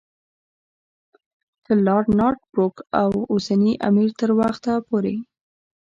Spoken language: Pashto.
تر لارډ نارت بروک او اوسني امیر تر وخته پورې.